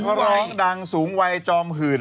เขาร้องดังสูงวัยจอมหื่น